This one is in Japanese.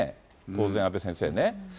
当然、阿部先生ね。